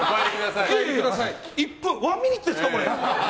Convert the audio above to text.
１ミニッツですか？